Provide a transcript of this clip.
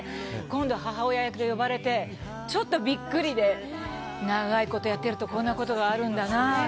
今度、母親役で呼ばれてちょっとビックリで長いことやってるとこんなことがあるんだなあと。